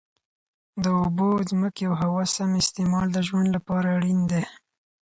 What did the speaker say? د اوبو، ځمکې او هوا سم استعمال د ژوند لپاره اړین دی.